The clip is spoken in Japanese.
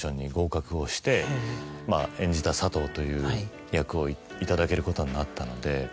演じた佐藤という役を頂けることになったので。